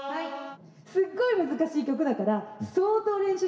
すっごい難しい曲だから相当練習しないと。